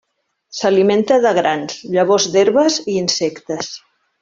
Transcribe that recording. S'alimenta de grans, llavors d'herbes i insectes.